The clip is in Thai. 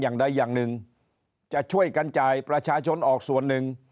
อย่างใดอย่างหนึ่งจะช่วยกันจ่ายประชาชนออกส่วนหนึ่ง